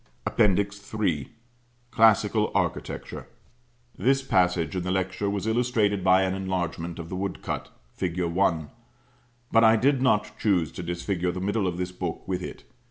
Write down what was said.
'" APPENDIX III. CLASSICAL ARCHITECTURE. This passage in the lecture was illustrated by an enlargement of the woodcut, Fig. 1; but I did not choose to disfigure the middle of this book with it.